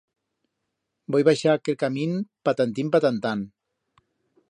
Voi baixar aquel camín patantín-patantán.